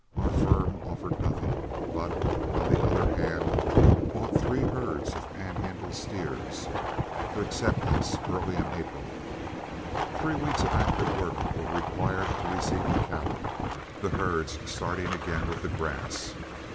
Our firm offered nothing, but, on the other hand, bought three herds of Pan Handle steers for acceptance early in April. Three weeks of active work were required to receive the cattle, the herds starting again with the grass.